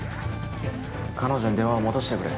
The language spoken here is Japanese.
彼女に電話を戻してくれ。